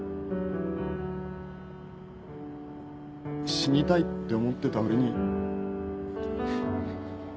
死にたいって思ってた俺に。